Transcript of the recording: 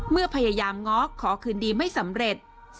พยายามง้อขอคืนดีไม่สำเร็จ